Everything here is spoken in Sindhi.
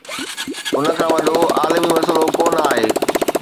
ان کان وڏو عالمي مسئلو ڪو نه آهي.